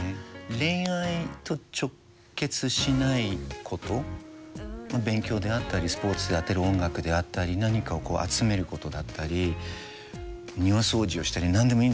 恋愛と直結しないこと勉強であったりスポーツであったり音楽であったり何かを集めることだったり庭掃除をしたり何でもいいんですよ。